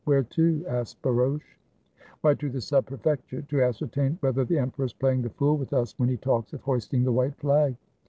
"Where to?" asked Bouroche. "Why, to the Sub Prefecture, to ascertain whether the emperor 's playing the fool with us when he talks of hoisting the white flag."